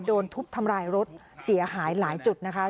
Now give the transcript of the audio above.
โดนทุบทำลายรถเสียหายหลายจุดนะคะ